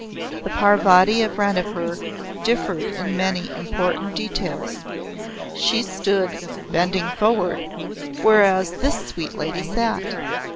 The Parvati of Ranipur differed in many important details. She stood, bending forward, wheras this sweet Lady sat.